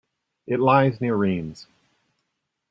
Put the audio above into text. It lies near Rennes.